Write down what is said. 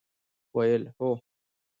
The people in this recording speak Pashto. ویل ، هو!